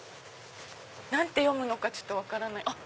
何て読むのかちょっと分からない。